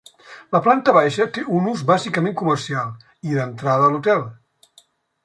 La planta baixa té un ús bàsicament comercial i d'entrada a l'hotel.